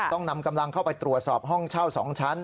ต้องนำกำลังเข้าไปตรวจสอบห้องเช่า๒ชั้น